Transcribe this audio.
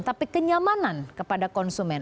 tapi kenyamanan kepada konsumen